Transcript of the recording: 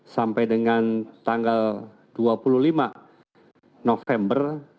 sampai dengan tanggal dua puluh lima november